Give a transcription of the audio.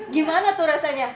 gimana tuh rasanya